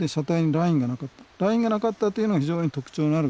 ラインがなかったというのは非常に特徴のある供述なんですよね。